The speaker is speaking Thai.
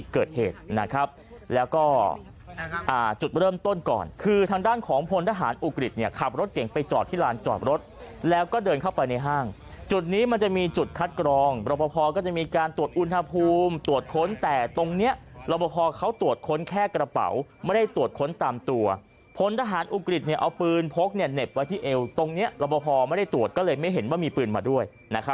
ขับรถเก่งไปจอดที่ร้านจอดรถแล้วก็เดินเข้าไปในห้างจุดนี้มันจะมีจุดคัดกรองรับพอพอก็จะมีการตรวจอุณหภูมิตรวจค้นแต่ตรงเนี้ยรับพอพอเขาตรวจค้นแค่กระเป๋าไม่ได้ตรวจค้นตามตัวพลทหารอุกฤษเนี่ยเอาปืนพกเนี่ยเหน็บไว้ที่เอวตรงเนี้ยรับพอพอไม่ได้ตรวจก็เลยไม่เห็นว่ามีปืนมาด้วย